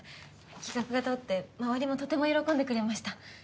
企画が通って周りもとても喜んでくれました。